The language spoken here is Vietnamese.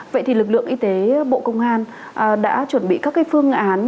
vậy thì lực lượng y tế bộ công an đã chuẩn bị các cái phương án